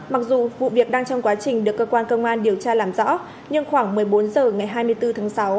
mặc dù vụ việc đang trong quá trình được cơ quan công an điều tra làm rõ nhưng khoảng một mươi bốn h ngày hai mươi bốn tháng sáu